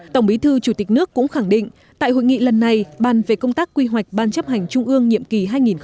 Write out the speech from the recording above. tổng bí thư chủ tịch nước cũng khẳng định tại hội nghị lần này ban về công tác quy hoạch ban chấp hành trung ương nhiệm kỳ hai nghìn hai mươi một hai nghìn hai mươi năm